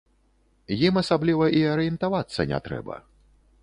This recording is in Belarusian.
Ім асабліва і арыентавацца не трэба.